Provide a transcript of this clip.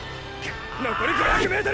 残り５００ｍ！